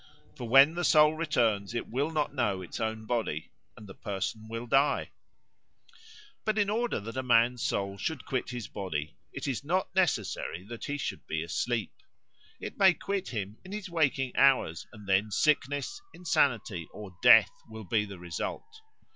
For when the soul returns it will not know its own body, and the person will die. But in order that a man's soul should quit his body, it is not necessary that he should be asleep. It may quit him in his waking hours, and then sickness, insanity, or death will be the result.